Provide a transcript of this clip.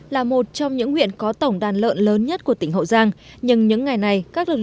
là một trong những huyện có tổng đàn lợn lớn nhất của tỉnh hậu giang nhưng những ngày này